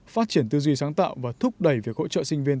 phát triển tư duy sáng tạo và thúc đẩy việc hỗ trợ sinh viên